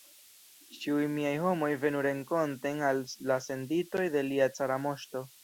Ĉiuj miaj homoj venu renkonten al la senditoj de lia cara moŝto!